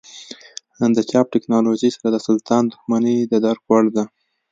د چاپ ټکنالوژۍ سره د سلطان دښمني د درک وړ ده.